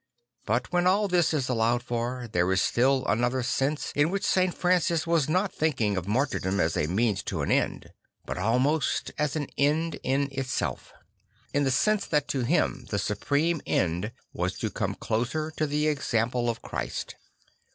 But \vhen all this is allowed for, there is still another sense in which St. Francis was not thinking of Martyrdom as a means to an end, but almost as an end in itself: in the sense that to him the supreme end was to come closer to the example of Christ.